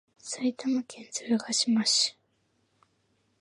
埼玉県鶴ヶ島市